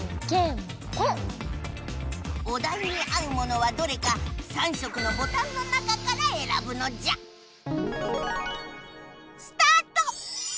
おだいに合うものはどれか３色のボタンの中からえらぶのじゃスタート！